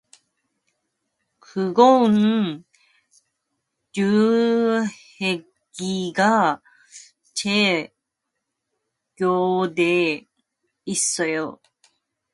그것은 동혁이가 제 곁에 있지 않으면 긴긴 밤에 잠을 이루지 못하는 것이다.